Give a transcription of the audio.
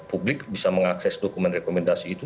publik bisa mengakses dokumen rekomendasi itu